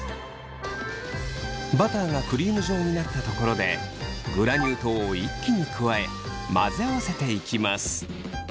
バターがクリーム状になったところでグラニュー糖を一気に加え混ぜ合わせていきます。